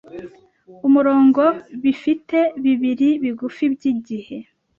umurongo bifite bibiri bigufi byigihe